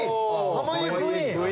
濱家クイーン。